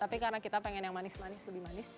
tapi karena kita pengen yang manis manis lebih manis